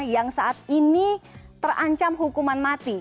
yang saat ini terancam hukuman mati